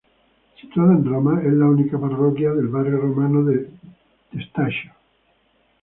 Situada en Roma, es la única parroquia del barrio romano de Testaccio.